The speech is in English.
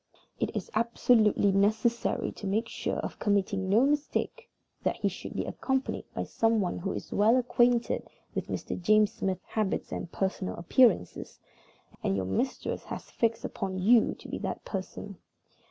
"It is absolutely necessary, to make sure of committing no mistakes, that he should be accompanied by some one who is well acquainted with Mr. James Smith's habits and personal appearance, and your mistress has fixed upon you to be that person.